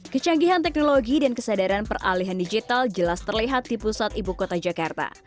kecanggihan teknologi dan kesadaran peralihan digital jelas terlihat di pusat ibu kota jakarta